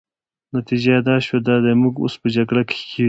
نتیجه يې دا شوه، دا دی موږ اوس په جګړه کې ښکېل یو.